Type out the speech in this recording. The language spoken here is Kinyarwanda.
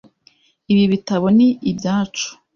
Ibi bitabo ni ibyacu .